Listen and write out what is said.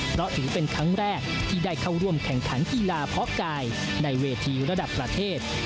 เพราะถือเป็นครั้งแรกที่ได้เข้าร่วมแข่งขันกีฬาเพาะกายในเวทีระดับประเทศ